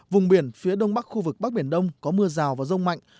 vùng biển phía đông bắc khu vực bắc biển đông có mưa rào và rông mạnh